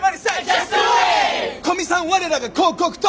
「古見さん我らが広告塔！